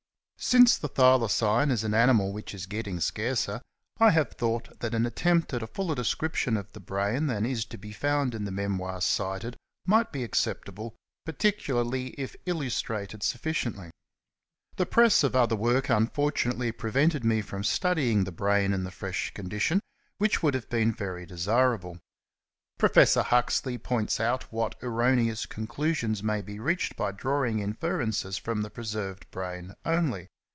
Since the Thylacine is an animal which is getting scarcer, I have thought that an attempt at a fuller description of the brain than is to be found in the memoirs cited might be acceptable, particularly if illustrated sufficiently. The press of other work unfortunately prevented me from studying the brain in the fresh condition, which would have been very de sirable. Prof. Huxley * points out what erroneous conclusions may be reached by drawing inferences from the preserved brain only.